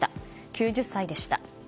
９０歳でした。